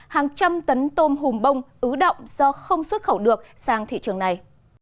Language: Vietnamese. hàng trăm tấn tôm hùm bông ứ động do không xuất khẩu được sang thị trường này